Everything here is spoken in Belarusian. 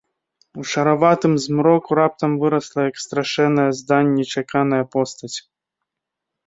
У шараватым змроку раптам вырасла, як страшэнная здань, нечаканая постаць.